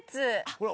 ほら。